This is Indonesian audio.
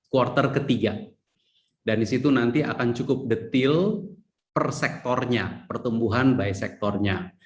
quarter ketiga dan disitu nanti akan cukup detail per sektornya pertumbuhan by sektornya